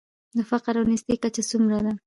د فقر او نیستۍ کچه څومره ده؟